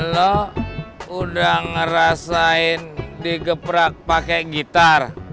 lo udah ngerasain digeprak pakai gitar